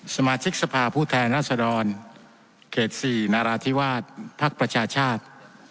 สมาชิกสภาผู้แทนรัศดรเขต๔นาราธิวาสภักดิ์ประชาชาติ